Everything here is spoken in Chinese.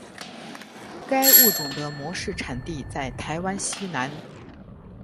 该物种的模式产地在台湾西南。